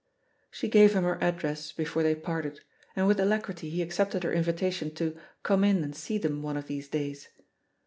She gave him her address hefore they parted, and with alacrity he accepted her invitation to "come in and see them one of these days.'